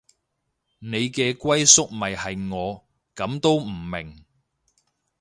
你嘅歸宿咪係我，噉都唔明